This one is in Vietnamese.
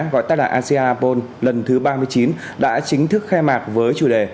gọi tắt là asean apol lần thứ ba mươi chín đã chính thức khai mạc với chủ đề